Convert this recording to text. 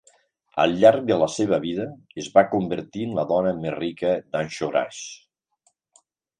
Al llarg de la seva vida es va convertir en la dona més rica d'Anchorage.